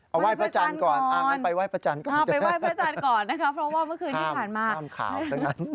เอาไหว้พระจันกรณ์ก่อนเพราะว่าเมื่อคืนนี้ผ่านมาห้ามขาวซักนั้น